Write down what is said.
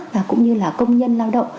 và cũng như là công nhân lao động